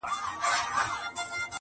نن دي سترګي سمي دمي ميکدې دی,